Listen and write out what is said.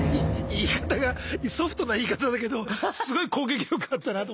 言い方がソフトな言い方だけどすごい攻撃力あったなと思って。